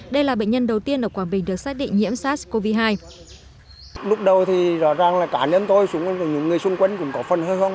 đây là bệnh nhân đầu tiên ở quảng bình được xác định nhiễm sars cov hai